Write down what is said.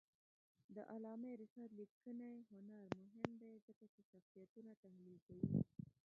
د علامه رشاد لیکنی هنر مهم دی ځکه چې شخصیتونه تحلیل کوي.